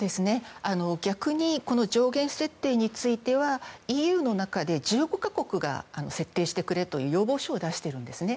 逆に、上限設定についてはＥＵの中で１５か国が設定してくれという要望書を出しているんですね。